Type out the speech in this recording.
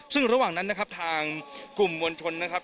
ซึ่งระหว่างนั้นนะครับทางกลุ่มมวลชนนะครับ